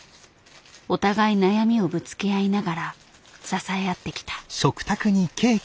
お互い悩みをぶつけ合いながら支え合ってきた。